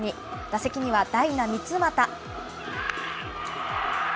打席には代打、三ツ俣。